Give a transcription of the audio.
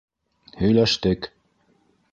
Һөйләштек.